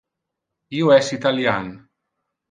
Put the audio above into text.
Io es italian.